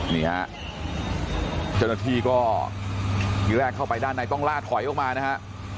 นี่ฮะเจ้าหน้าที่ก็ทีแรกเข้าไปด้านในต้องล่าถอยออกมานะฮะ